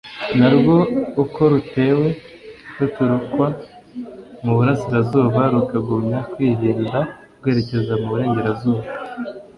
narwo uko rutewe ruturukwa mu burasira-zuba, rukagumya kwihinda rwerekeza mu burengera-zuba,